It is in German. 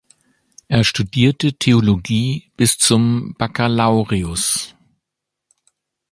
Er studierte Theologie bis zum Baccalaureus.